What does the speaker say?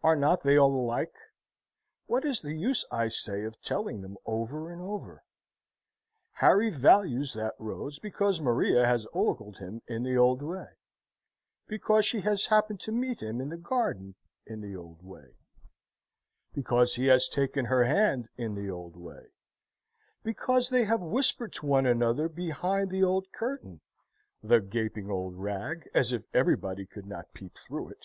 Are not they all alike? What is the use, I say, of telling them over and over? Harry values that rose because Maria has ogled him in the old way; because she has happened to meet him in the garden in the old way; because he has taken her hand in the old way; because they have whispered to one another behind the old curtain (the gaping old rag, as if everybody could not peep through it!)